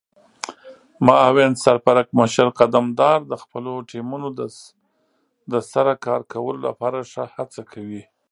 معاون سرپرکمشر قدمدار د خپلو ټیمونو د سره کار کولو لپاره ښه هڅه کوي.